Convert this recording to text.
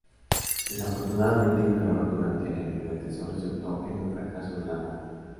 Desafortunadamente, un error durante la implementación resultó en un fracaso de la nave.